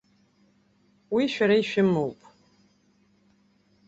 Уи шәара ишәымоуп.